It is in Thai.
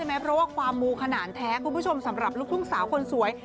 เพราะว่าความมูขนาดแท้คุณผู้ชมสำหรับลูกทุ่งสาวคนสวย